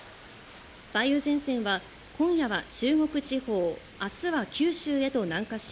梅雨前線は今夜は中国地方、明日は九州へと南下し